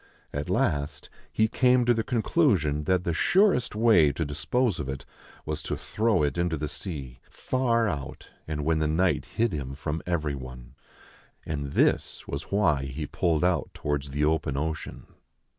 At last, he came to the conclusion that the surest way to dispose of it was to throw it into the sea, far out, and when the night hid him from every one. And this was why he pulled out towards the open ocean.